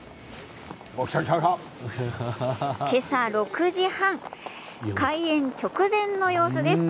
今朝６時半、開園直前の様子です。